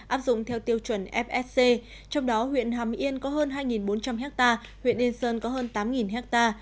áp dụng theo tiêu chuẩn fsc trong đó huyện hàm yên có hơn hai bốn trăm linh ha huyện yên sơn có hơn tám ha